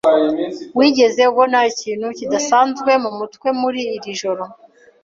Wigeze ubona ikintu kidasanzwe mumutwe muri iri joro?